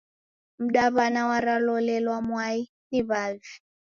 Mdaw'ana waralolelwa mwai ni w'avi.